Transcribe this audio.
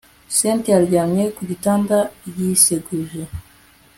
cyntia aryamye kugitanda yiseguje